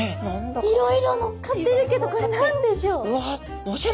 いろいろのっかってるけどこれ何でしょう？